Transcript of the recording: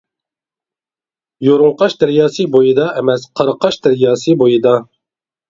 يۇرۇڭقاش دەرياسى بويىدا ئەمەس، قاراقاش دەرياسى بويىدا.